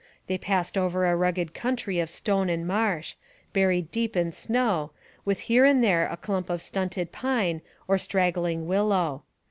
They passed over a rugged country of stone and marsh, buried deep in snow, with here and there a clump of stunted pine or straggling willow.